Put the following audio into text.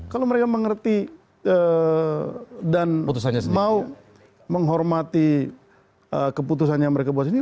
kalau mereka mengerti dan mau menghormati keputusan yang mereka buat ini